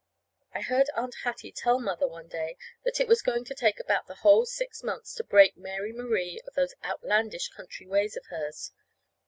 I heard Aunt Hattie tell Mother one day that it was going to take about the whole six months to break Mary Marie of those outlandish country ways of hers.